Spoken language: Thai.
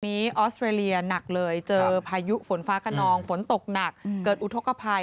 ออสเตรเลียหนักเลยเจอพายุฝนฟ้าขนองฝนตกหนักเกิดอุทธกภัย